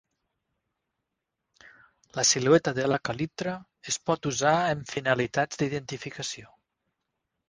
La silueta de la "calyptra" es pot usar amb finalitats d'identificació.